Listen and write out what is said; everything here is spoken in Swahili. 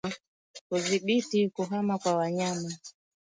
Kudhibiti kuhama kwa wanyama